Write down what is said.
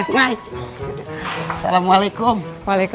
mas kita mau ke rumah